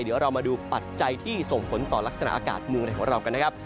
เดี๋ยวเรามาดูปัจจัยที่ส่งผลต่อลักษณะอากาศเมืองในของเรากันนะครับ